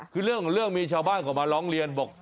คือเรื่องมีชาวบ้านเข้ามาร้องเรียนบอก